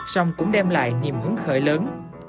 xong cũng đem lại niềm hứng khởi lớn